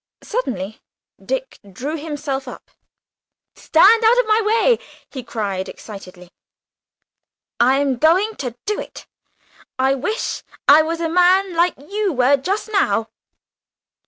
Suddenly Dick drew himself up. "Stand out of my way!" he cried excitedly, "I am going to do it. I wish I was a man like you were just now!"